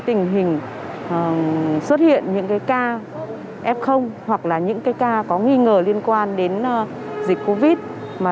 tình hình xuất hiện những ca f hoặc là những cái ca có nghi ngờ liên quan đến dịch covid